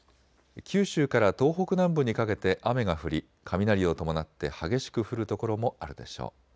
九州から東北南部にかけて雨が降り、雷を伴って激しく降る所もあるでしょう。